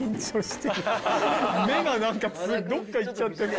目がどっかいっちゃってるよ